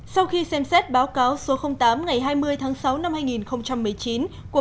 sau khi xem xét báo cáo số tám ngày hai mươi tháng sáu năm hai nghìn một mươi chín của ban chấp hành trung ương khóa một mươi ba